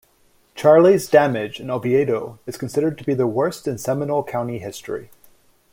Charley's damage in Oviedo is considered to be the worst in Seminole County history.